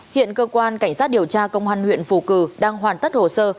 hiện cơ quan cảnh sát điều tra công an huyện phù cử đang hoàn tất hồ sơ